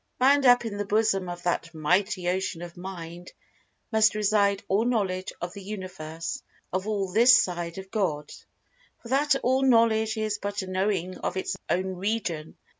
Bound up in the bosom of that Mighty Ocean of Mind must reside all Knowledge of the Universe—of all "this side of God." For that All Knowledge is but a knowing of its own region.